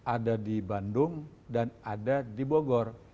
ada di bandung dan ada di bogor